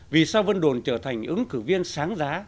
vì sao vân đồn trở thành ứng cử viên sáng giá